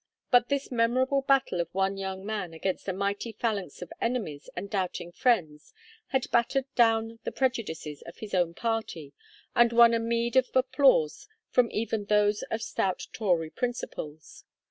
But this memorable battle of one young man against a mighty phalanx of enemies and doubting friends had battered down the prejudices of his own party, and won a meed of applause from even those of stout old Tory principles.